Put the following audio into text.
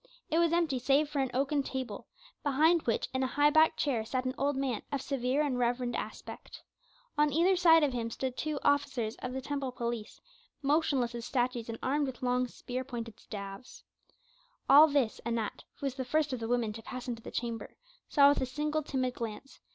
It was empty save for an oaken table, behind which in a high backed chair sat an old man of severe and reverend aspect. On either side of him stood two officers of the temple police, motionless as statues and armed with long spear pointed staves. All this Anat, who was the first of the women to pass into the chamber, saw with a single timid glance.